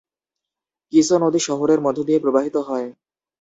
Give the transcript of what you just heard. কিসো নদী শহরের মধ্য দিয়ে প্রবাহিত হয়।